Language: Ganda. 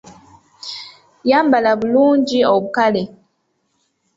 Yambala bulungi obukale.